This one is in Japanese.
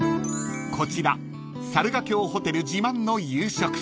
［こちら猿ヶ京ホテル自慢の夕食］